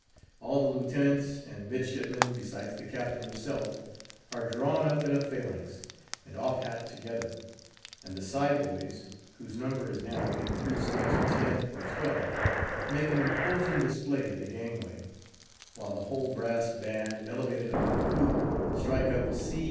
All the Lieutenants and Midshipmen, besides the Captain himself, are drawn up in a phalanx, and off hat together; and the side boys, whose number is now increased to ten or twelve, make an imposing display at the gangway; while the whole brass band, elevated upon the poop, strike up "See!